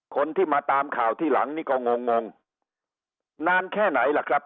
คนที่มาตามข่าวที่หลังนี่ก็งงงนานแค่ไหนล่ะครับ